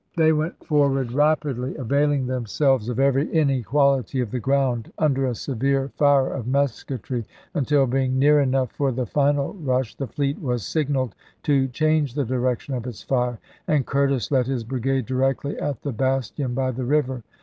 They went forward rapidly, availing themselves of every inequality of the ground, under a severe fire of musketry, until being near enough for the final rush the fleet was signaled to change the di rection of its fire, and Curtis led his brigade directly at the bastion by the river.